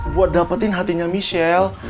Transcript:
buat dapetin hatinya michelle